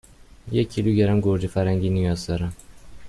یک کیلوگرم گوجه فرنگی نیاز دارم.